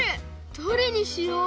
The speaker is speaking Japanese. どれにしよう！？